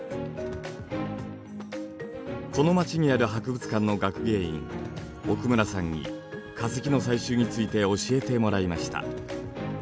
この町にある博物館の学芸員奥村さんに化石の採集について教えてもらいました。